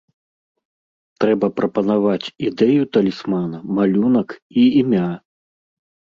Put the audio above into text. Трэба прапанаваць ідэю талісмана, малюнак і імя.